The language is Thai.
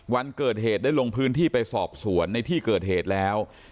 วันเกิดเหตุได้ลงพื้นที่ไปสอบสวนในที่เกิดเหตุแล้ว